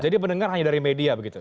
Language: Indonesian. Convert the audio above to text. jadi pendengar hanya dari media begitu